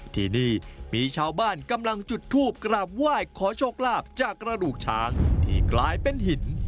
ที่นี่มีชาวบ้านกำลังจุดทูปกราบไหว้ขอโชคลาภจากกระดูกช้างที่กลายเป็นหิน